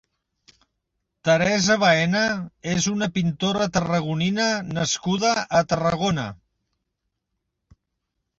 Teresa Baena és una pintora tarragonina nascuda a Tarragona.